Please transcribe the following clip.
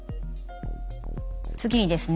次にですね